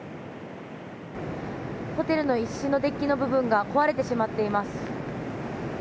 ホテルのデッキの部分が壊れてしまっています。